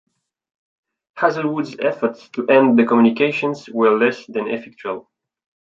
Hazelwood's efforts to end the communications were less than effectual.